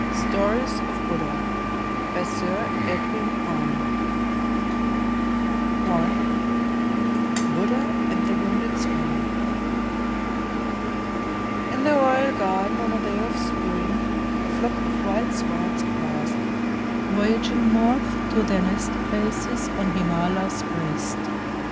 STORIES OF BUDDHA BY SIR EDWIN ARNOLD I BUDDHA AND THE WOUNDED SWAN In the royal garden on a clay of spring, A flock of wild swans passed, voyaging north To their nest places on Himala's breast.